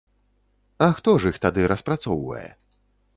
А хто ж іх тады распрацоўвае?